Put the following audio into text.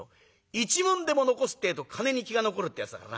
一文でも残すってえと金に気が残るってえやつだからな。